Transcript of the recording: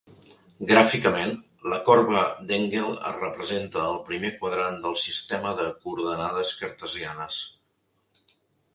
Gràficament, la corba d'Engel es representa al primer quadrant del sistema de coordenades cartesianes.